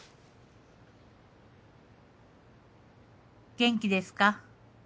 「元気ですか？